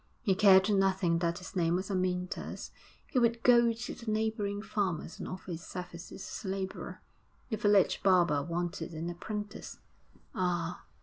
He cared nothing that his name was Amyntas; he would go to the neighbouring farmers and offer his services as labourer the village barber wanted an apprentice. Ah!